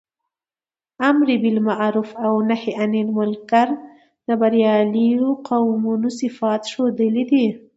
امر باالمعروف او نهي عنالمنکر د برياليو قومونو صفات ښودلي دي.